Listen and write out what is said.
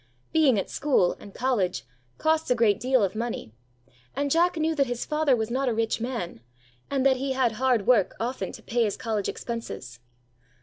Being at school and college costs a great deal of money, and Jack knew that his father was not a rich man, and that he had hard work often to pay his college expenses.